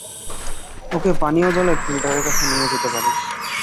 ওকে পানীয় জলের ফিল্টারের কাছে নিয়ে যেতে পারিস।